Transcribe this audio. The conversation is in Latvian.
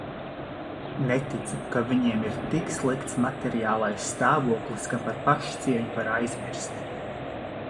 Neticu, ka viņiem ir tik slikts materiālais stāvoklis, ka par pašcieņu var aizmirst.